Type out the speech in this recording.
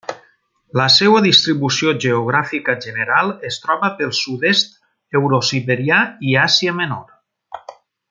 La seua distribució geogràfica general es troba pel sud-est eurosiberià i Àsia menor.